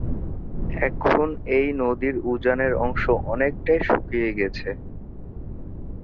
এখন এই নদীর উজানের অংশ অনেকটাই শুকিয়ে গেছে।